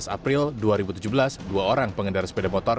tujuh belas april dua ribu tujuh belas dua orang pengendara sepeda motor